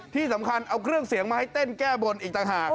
ที่สำคัญเอาเครื่องเสียงมาให้เต้นแก้บนอีกต่างหาก